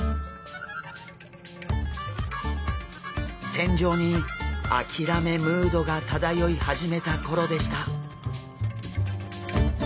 船上に諦めムードが漂い始めた頃でした。